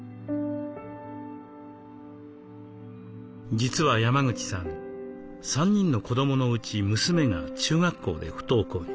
実は山口さん３人の子どものうち娘が中学校で不登校に。